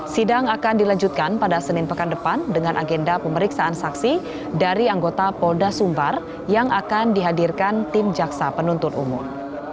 sidang akan dilanjutkan pada senin pekan depan dengan agenda pemeriksaan saksi dari anggota polda sumbar yang akan dihadirkan tim jaksa penuntut umum